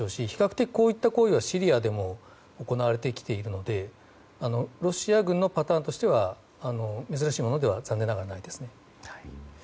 比較的、こうした行為はシリアでも行われてきているのでロシア軍のパターンとしては珍しいものでは残念ながら、ないですね。